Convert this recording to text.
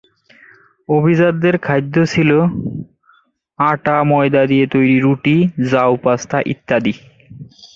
অভিজাতদের খাদ্য ছিল আটা ও ময়দায় তৈরি রুটি, জাউ, পাস্তা ইত্যাদি।